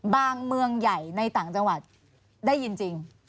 เมืองใหญ่ในต่างจังหวัดได้ยินจริง